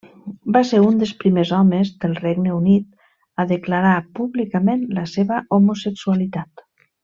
Va ser un dels primers homes del Regne Unit a declarar públicament la seva homosexualitat.